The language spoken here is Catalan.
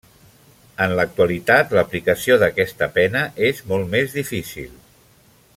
En l'actualitat l'aplicació d'aquesta pena és molt més difícil.